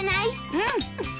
うん！